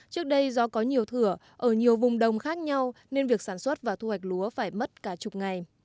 trước đây do có nhiều thửa ở nhiều vùng đồng khác nhau nên việc sản xuất và thu hoạch lúa phải mất cả chục ngày